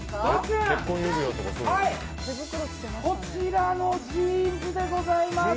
こちらのジーンズでございます。